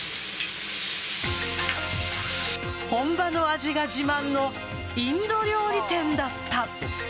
本場の味が自慢のインド料理店だった。